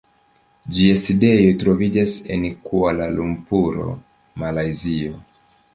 Ĝia sidejo troviĝas en Kuala-Lumpuro, Malajzio.